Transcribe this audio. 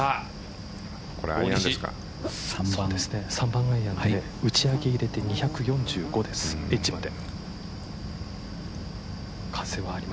３番アイアンで打ち上げ入れて２４５です、エッジまで。